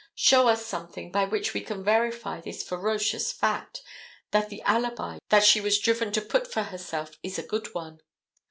Show us something by which we can verify this ferocious fact, that the alibi she was driven to put for herself is a good one.